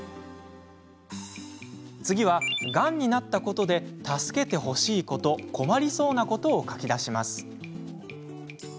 次は、がんになったことで助けてほしいこと困りそうなことを書き出します。